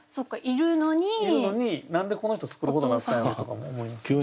いるのに何でこの人作ることになったんやろうとかも思いますね。